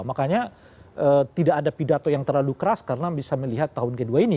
makanya tidak ada pidato yang terlalu keras karena bisa melihat tahun kedua ini